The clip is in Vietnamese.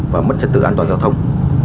và mất trật tự an toàn giao thông